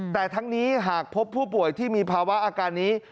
แต่ทั้งนี้หากพบผู้ป่วยที่มีภาวะอาการนี้